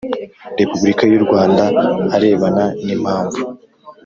repubulika y u Rwanda arebana n impamvu